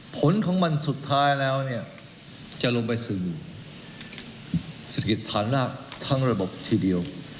ผลของมันสุดท้ายแล้วจะลงไปสื่อสินคิดฐานรักทั้งระบบที่เดียว